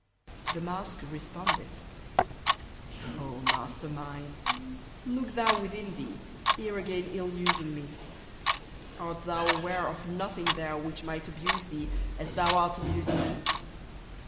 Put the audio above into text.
(The Mask respondeth.) Oh! master mine, Look thou within thee, ere again ill using me. Art thou aware Of nothing there Which might abuse thee, as thou art abusing me?